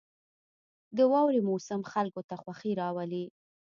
• د واورې موسم خلکو ته خوښي راولي.